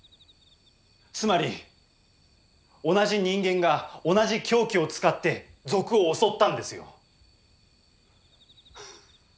つまり同じ人間が同じ凶器を使って賊を襲ったんですよ。